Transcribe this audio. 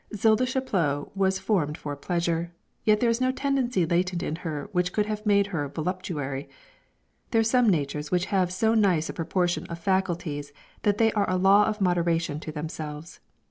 Zilda Chaplot was formed for pleasure, yet there is no tendency latent in her which could have made her a voluptuary. There are some natures which have so nice a proportion of faculties that they are a law of moderation to themselves.